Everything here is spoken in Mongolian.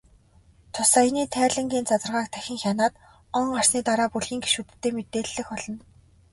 Тус аяны тайлангийн задаргааг дахин хянаад, он гарсны дараа бүлгийн гишүүддээ мэдээлэх болно.